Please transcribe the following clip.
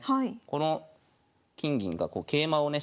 この金銀が桂馬をね